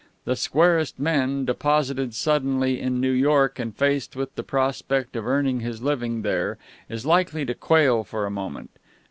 The squarest men, deposited suddenly in New York and faced with the prospect of earning his living there, is likely to quail for a moment.